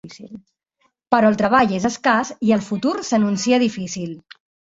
Però el treball és escàs i el futur s'anuncia difícil.